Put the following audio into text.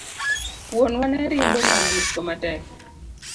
Wuonwa ne riembo nyamburko matek